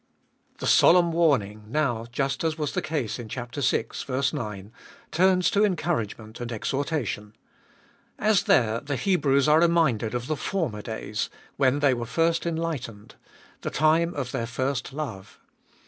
THE solemn warning now, just as was the case in chap. vi. (ver. 9), turns to encouragement and exhortation. As there, the Hebrews are reminded of the former days, when they were first enlightened — the time of their first love.